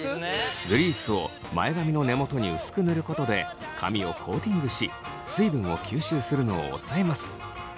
グリースを前髪の根元に薄く塗ることで髪をコーティングし水分を吸収するのを抑えます。